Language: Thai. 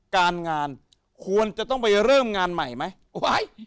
การงานควรจะต้องไปเริ่มงานใหม่ไหม